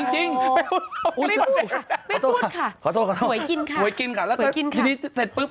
จริงขอโทษค่ะขอโทษครับหวยกินค่ะหวยกินค่ะแล้วก็กินทีนี้เสร็จปุ๊บ